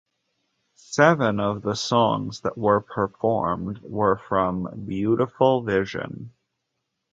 Seven of the songs that were performed were from "Beautiful Vision".